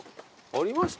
ありました？